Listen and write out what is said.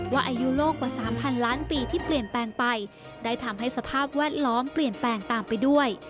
อายุโลกกว่า๓๐๐ล้านปีที่เปลี่ยนแปลงไปได้ทำให้สภาพแวดล้อมเปลี่ยนแปลงตามไปด้วย